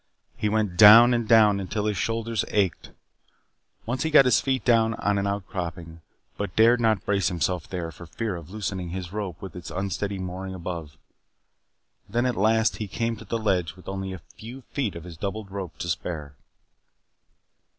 He went down and down until his shoulders ached. Once he got his feet down on an outcropping but dared not brace himself there for fear of loosening his rope from its unsteady mooring above. Then, at last, he came to the ledge with only a few feet of his doubled rope to spare.